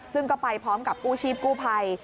ซึ่งก็ไปพร้อมกับกู้ชีพกู้ภัย